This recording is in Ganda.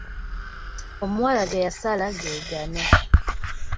Omuwala ge yasala ge gano.